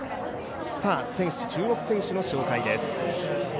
注目選手の紹介です。